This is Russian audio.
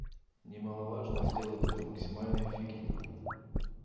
Немаловажно сделать это максимально эффективно